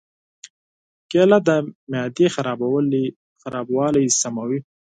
کېله د معدې خرابوالی سموي.